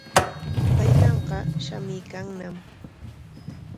Taytanqa shamuykanñam.